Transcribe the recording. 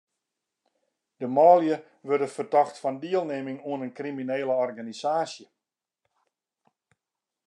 De manlju wurde fertocht fan dielnimming oan in kriminele organisaasje.